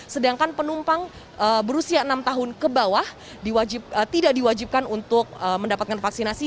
sedangkan penumpang berusia enam tahun ke bawah tidak diwajibkan untuk mendapatkan vaksinasi